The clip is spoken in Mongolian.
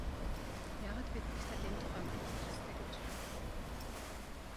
Яагаад бид дахиад энэ тухай маргалдах ёстой гэж?